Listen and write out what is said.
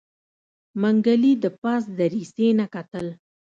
منګلي د پاس دريڅې نه کتل.